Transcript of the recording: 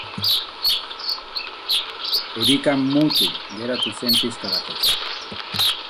Erika mutu geratu zen pixka batez.